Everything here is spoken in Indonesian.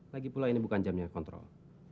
lagipula ini bukan jamnya kontrol